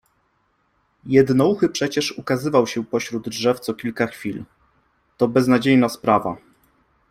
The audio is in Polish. Jednouchy przecież ukazywał się pośród drzew co kilka chwil. '' To beznadziejna sprawa''